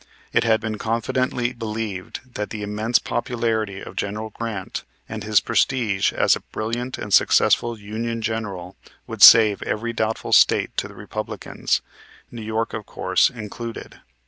It had been confidently believed that the immense popularity of General Grant and his prestige as a brilliant and successful Union general would save every doubtful State to the Republicans, New York, of course, included.